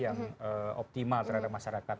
yang optimal terhadap masyarakat